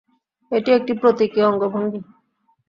এটি একটি প্রতীকী অঙ্গভঙ্গি।